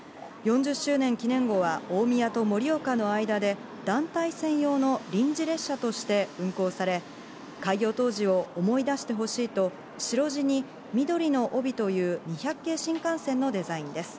４０周年記念号は大宮と盛岡の間で団体専用の臨時列車として運行され、開業当時を思い出してほしいと、白地に緑の帯という２００系新幹線のデザインです。